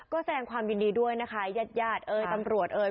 ก็แสดงความยินดีด้วยนะคะญาติญาติเอ่ยตำรวจเอ่ย